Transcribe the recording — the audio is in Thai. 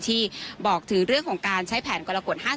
ที่บอกถึงเรื่องของการใช้แผนกรกฎ๕๐